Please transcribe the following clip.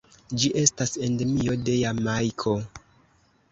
Ĝi estas endemio de Jamajko.